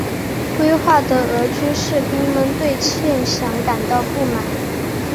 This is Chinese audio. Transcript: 归化的俄军士兵们对欠饷感到不满。